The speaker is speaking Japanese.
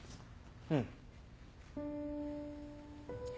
うん。